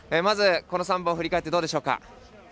まず、この３本振り返ってどうでしょうか？